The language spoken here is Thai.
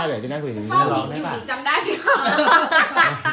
เดี๋ยวกินยาก่อนนะเดี๋ยวเจ็บท้อง